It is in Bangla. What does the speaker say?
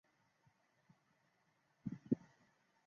এই প্রতিষ্ঠানটি গুয়াহাটি বিশ্ববিদ্যালয়ের অধীনস্থ।